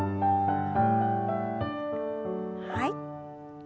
はい。